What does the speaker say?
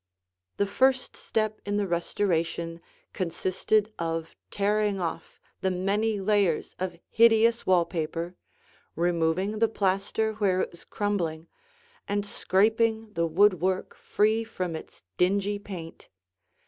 The first step in the restoration consisted of tearing off the many layers of hideous wall paper, removing the plaster where it was crumbling, and scraping the woodwork free from its dingy paint.